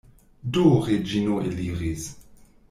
Do Reĝino eliris.